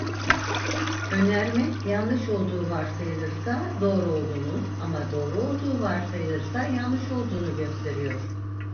Önerme yanlış olduğu varsayılırsa doğru olduğunu ama doğru olduğu varsayılırsa yanlış olduğunu gösteriyor.